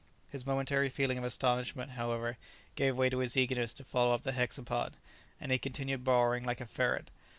His momentary feeling of astonishment, however, gave way to his eagerness to follow up the hexapod, and he continued burrowing like a ferret.